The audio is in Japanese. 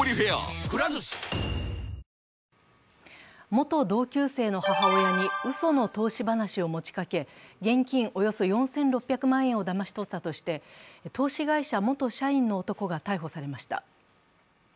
元同級生の母親にうその投資な話を持ちかけ、現金およそ４６００万円をだまし取ったとして投資会社元社員の男が逮捕されました。